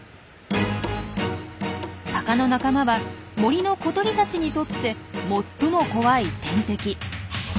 タカの仲間は森の小鳥たちにとって最も怖い天敵。